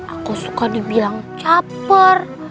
aku suka dibilang caper